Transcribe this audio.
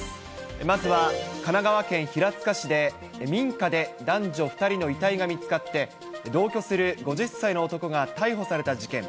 まずは神奈川県平塚市で、民家で男女２人の遺体が見つかって、同居する５０歳の男が逮捕された事件。